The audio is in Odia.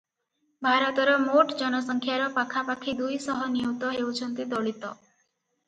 ଭାରତର ମୋଟ ଜନସଂଖ୍ୟାର ପାଖାପାଖି ଦୁଇଶହ ନିୟୁତ ହେଉଛନ୍ତି ଦଳିତ ।